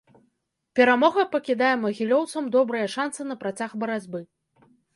Перамога пакідае магілёўцам добрыя шанцы на працяг барацьбы.